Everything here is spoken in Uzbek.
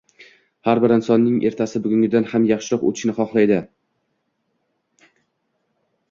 Har-bir inson o‘zining ertasi bugunidan ham yaxshiroq o‘tishini xohlaydi